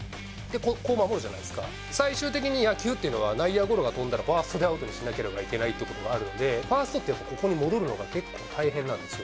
こう守るじゃないですか、最終的に野球というのは、内野ゴロが飛んだらファーストでアウトにしなければいけないということがあるので、ファーストって、やっぱりここに戻るのが結構大変なんですよ。